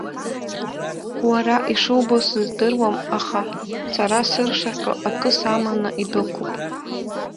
Уара ишубо сыздыруам, аха сара сыршаҟьо акы саманы идәықәуп.